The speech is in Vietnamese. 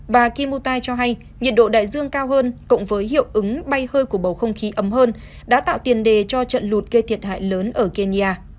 bà kimuta cho hay nhiệt độ đại dương cao hơn cộng với hiệu ứng bay hơi của bầu không khí ấm hơn đã tạo tiền đề cho trận lụt gây thiệt hại lớn ở kenya